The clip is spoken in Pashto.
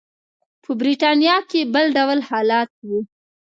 په برېټانیا کې بل ډول حالت و.